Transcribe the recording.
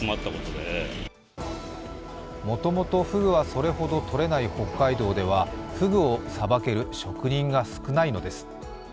もともとふぐはそれほどとれない北海道ではふぐをさばける職人が少ないのです。